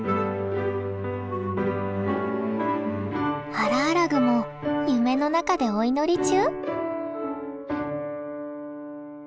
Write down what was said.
ハラアラグも夢の中でお祈り中？